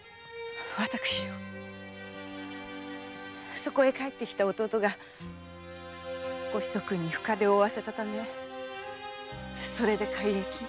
そこへ帰ってきた弟がご子息に深傷を負わせたためそれで改易に。